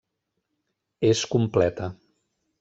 És completa.